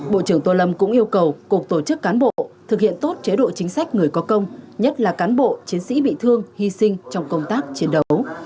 bộ trưởng tô lâm cũng yêu cầu cục tổ chức cán bộ thực hiện tốt chế độ chính sách người có công nhất là cán bộ chiến sĩ bị thương hy sinh trong công tác chiến đấu